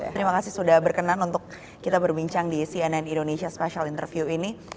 terima kasih sudah berkenan untuk kita berbincang di cnn indonesia special interview ini